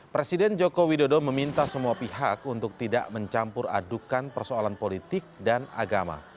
presiden joko widodo meminta semua pihak untuk tidak mencampur adukan persoalan politik dan agama